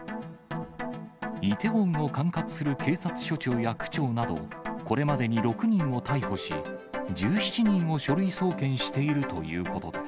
イテウォンを管轄する警察署長や区長など、これまでに６人を逮捕し、１７人を書類送検しているということです。